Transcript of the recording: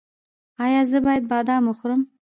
ایا زه باید بادام وخورم؟